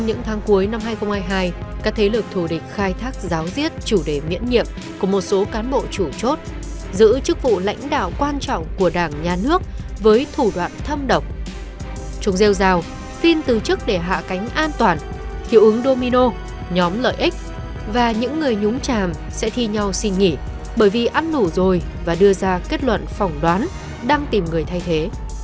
chúng rêu rào phin từ chức để hạ cánh an toàn hiệu ứng domino nhóm lợi ích và những người nhúng chàm sẽ thi nhau xin nghỉ bởi vì ăn nủ rồi và đưa ra kết luận phỏng đoán đang tìm người thay thế